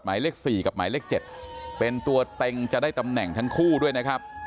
หมายเลข๔กับหมายเลข๗เป็นตัวเต็งจะได้ตำแหน่งทั้งคู่ด้วยนะครับ